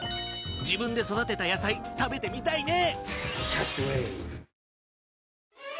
自分で育てた野菜食べてみたいね。